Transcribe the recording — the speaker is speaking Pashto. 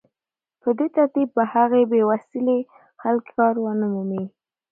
په دې ترتیب به هغه بې وسيلې خلک کار ونه مومي